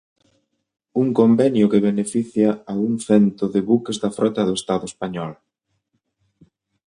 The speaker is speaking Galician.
Un convenio que beneficia a un cento de buques da frota do Estado español.